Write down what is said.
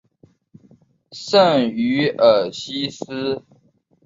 圣于尔西斯。